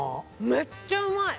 めっちゃうまい！